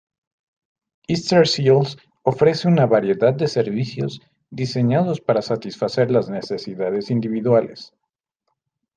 Easter Seals ofrece una variedad de servicios diseñados para satisfacer las necesidades individuales.